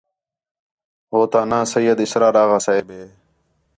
ہو تا ناں سید اسرار آغا صاحب ہے